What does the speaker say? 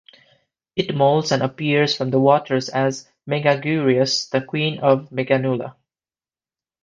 It molts and appears from the water as Megaguirus, the queen of the Meganula.